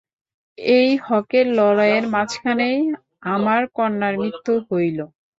এই হকের লড়াইয়ের মাঝখানেই আমার কন্যার মৃত্যু হইল।